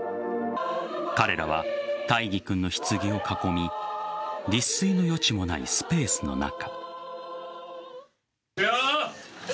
彼らは大義君のひつぎを囲み立すいの余地もないスペースの中。